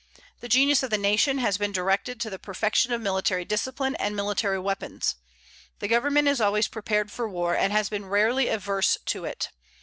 The genius of the nation has been directed to the perfection of military discipline and military weapons. The government is always prepared for war, and has been rarely averse to it.